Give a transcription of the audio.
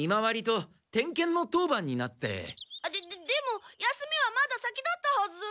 ででも休みはまだ先だったはず。